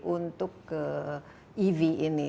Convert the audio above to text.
untuk ke ev ini